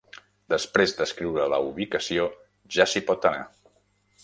Després d'escriure la ubicació, ja s'hi pot anar.